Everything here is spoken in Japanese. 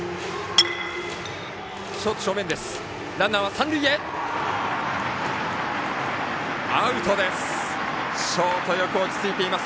ランナー三塁はアウトです。